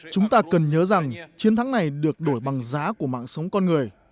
chúng ta cần nhớ rằng chiến thắng này được đổi bằng giá của mạng sống con người